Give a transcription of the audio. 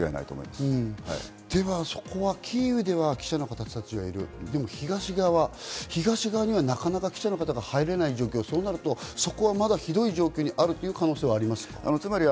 ではキーウでは記者の方たちがいる東側、なかなか記者の方が入れない状況、そうなるとまだひどい状況にあるという可能性はありますか？